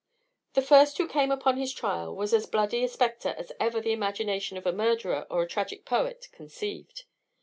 The first who came upon his trial was as bloody a spectre as ever the imagination of a murderer or a tragic poet conceived.